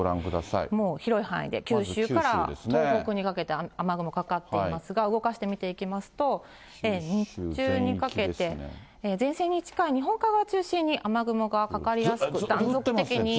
広い範囲で九州から東北にかけて雨雲かかっていますが、動かして見ていきますと、日中にかけて、前線に近い日本海側を中心に、雨雲がかかりやすく、断続的に。